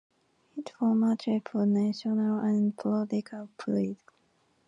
It won multiple national and provincial prizes.